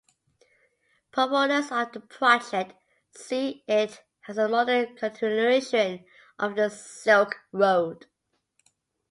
Proponents of the project see it as a modern continuation of the Silk Road.